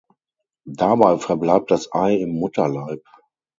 Dabei verbleibt das Ei im Mutterleib.